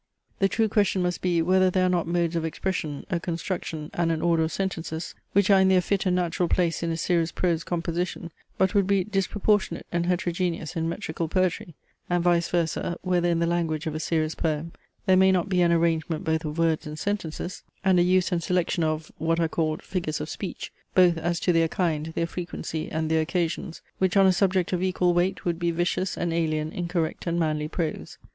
The true question must be, whether there are not modes of expression, a construction, and an order of sentences, which are in their fit and natural place in a serious prose composition, but would be disproportionate and heterogeneous in metrical poetry; and, vice versa, whether in the language of a serious poem there may not be an arrangement both of words and sentences, and a use and selection of (what are called) figures of speech, both as to their kind, their frequency, and their occasions, which on a subject of equal weight would be vicious and alien in correct and manly prose.